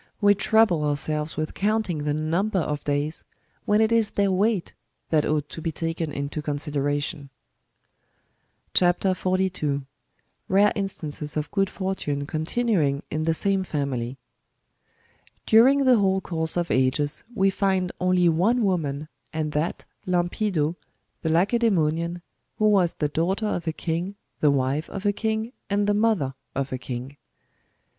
"We trouble ourselves with counting the numher of days, when it is their weight^ that ought to be taken into consideration. CHAP. 42. (41.) — EAEE INSTANCES OF GOOD FOETUNE CONTINTJING IN THE SAME FAITILT. During the whole course of ages, we find only one woman, and that, Lampido, the Lacedgemonian, who was the daughter of a king, the wife of a king, and the mother of a king.